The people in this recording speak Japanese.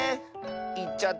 いっちゃった。